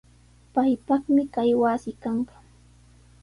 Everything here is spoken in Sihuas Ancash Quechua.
Paypaqmi kay wasi kanqa.